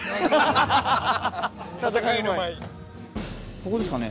ここですかね？